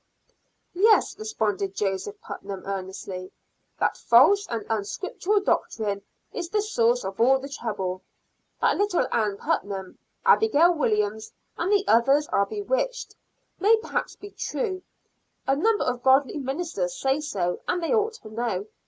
"Yes," responded Joseph Putnam earnestly, "that false and unscriptural doctrine is the source of all the trouble. That little Ann Putnam, Abigail Williams and the others are bewitched, may perhaps be true a number of godly ministers say so, and they ought to know.